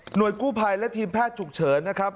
หน่วยกู้ภัยและทีมแพทย์ฉุกเฉิน